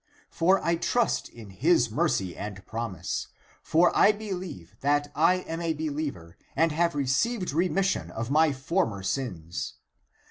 For I trust in his mercy and promise; (for) I believe that I am a believer and have received remission of my former sins.